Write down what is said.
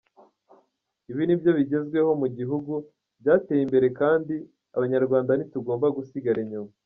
Ibi ni byo bigezweho mu bihugu byateye imbere kandi abanyarwanda ntitugomba gusigara inyuma.